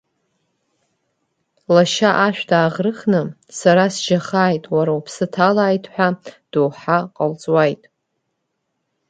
Лашьа ашә дааӷрыхны, сара сжьахааит, уара уԥсы ҭалааит, ҳәа дуҳа ҟалҵуаит.